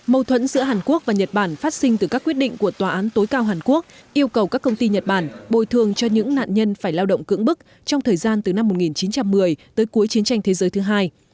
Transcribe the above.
mâu thuẫn giữa hàn quốc và nhật bản phát sinh từ các quyết định của tòa án tối cao hàn quốc yêu cầu các công ty nhật bản bồi thường cho những nạn nhân phải lao động cưỡng bức trong thời gian từ năm một nghìn chín trăm một mươi tới cuối chiến tranh thế giới thứ hai